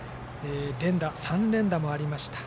３連打もありました。